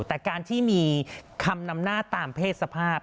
แต่การที่มีคำนำหน้าตามเพศสภาพ